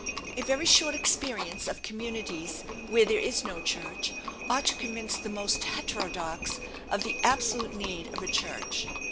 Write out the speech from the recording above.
A very short experience of communities where there is no church ought to convince the most heterodox of the absolute need of a church.